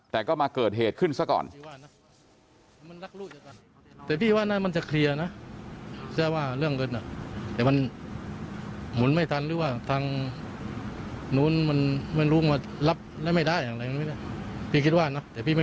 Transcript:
แต่ก็มาเกิดเหตุขึ้นซะก่อน